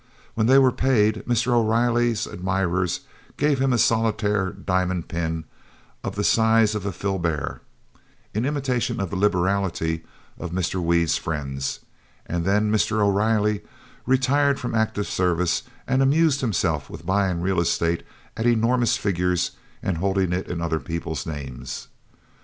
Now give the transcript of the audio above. When they were paid, Mr. O'Riley's admirers gave him a solitaire diamond pin of the size of a filbert, in imitation of the liberality of Mr. Weed's friends, and then Mr. O'Riley retired from active service and amused himself with buying real estate at enormous figures and holding it in other people's names.